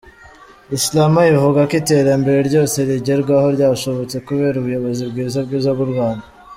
Islama ivuga ko iterambere ryose rigerwaho ryashobotse kubera ubuyobozi bwiza bwiza bw’u Rwanda.